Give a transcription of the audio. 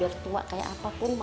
biar tua kayak apapun